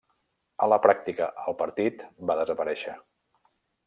A la pràctica el partit, va desaparèixer.